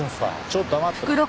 ちょっと黙ってろ。